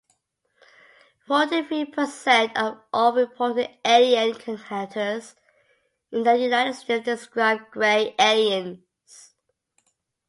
Forty-three percent of all reported alien encounters in the United States describe Grey aliens.